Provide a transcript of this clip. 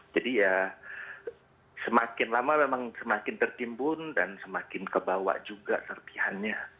jadi ya semakin lama memang semakin tertimbun dan semakin kebawah juga serpihannya